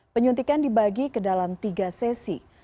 penyuntikan dibagi ke dalam tiga sesi